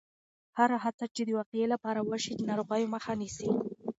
هره هڅه چې د وقایې لپاره وشي، د ناروغیو مخه نیسي.